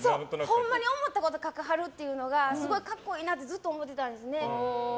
本当に思ってることを書きはるっていうのがすごい格好いいなってずっと思ってたんですね。